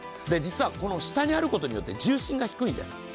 実はこの下にある事によって重心が低いんです。